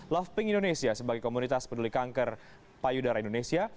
love pink indonesia sebagai komunitas peduli kanker payudara indonesia